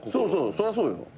そりゃそうよ。